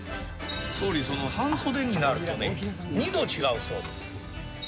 総理、その半袖になるとね、２度違うそうです。